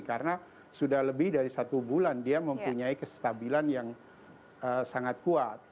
karena sudah lebih dari satu bulan dia mempunyai kestabilan yang sangat kuat